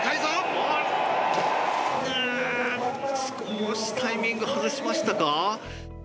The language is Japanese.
少しタイミング外しましたか。